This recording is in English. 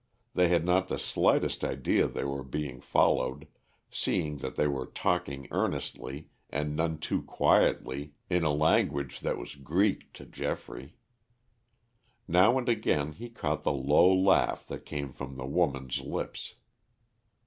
They had not the slightest idea they were being followed, seeing that they were talking earnestly and none too quietly in a language that was Greek to Geoffrey. Now and again he caught the low laugh that came from the woman's lips.